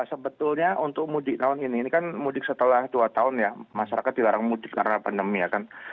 sebetulnya untuk mudik tahun ini ini kan mudik setelah dua tahun ya masyarakat dilarang mudik karena pandemi ya kan